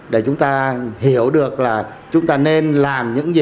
để chúng ta hiểu được là chúng ta nên làm những gì